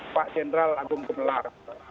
pak jendral agung gemelar